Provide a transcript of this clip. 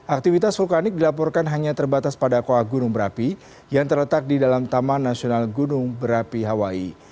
aktivitas vulkanik dilaporkan hanya terbatas pada koa gunung berapi yang terletak di dalam taman nasional gunung berapi hawaii